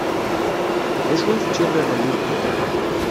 D acu i teččiḍ iḍelli?